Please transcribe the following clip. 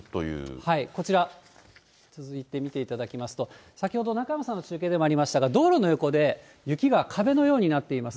こちら、続いて見ていただきますと、先ほど、中山さんの中継でもありましたが、道路の横で、雪が壁のようになっています。